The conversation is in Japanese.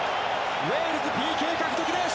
ウェールズ、ＰＫ獲得です！